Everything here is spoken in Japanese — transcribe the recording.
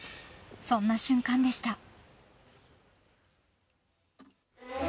［そんな瞬間でした］